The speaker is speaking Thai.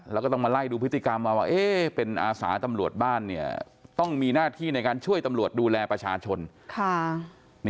แล้วก็ต้องมาไล่ดูพฤติกรรมมาว่าเป็นอาสาตำรวจบ้านเนี่ยต้องมีหน้าที่ในการช่วยตำรวจดูแลประชาชน